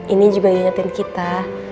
ini juga ngingetin kita